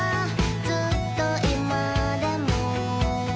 「ずっと今でも」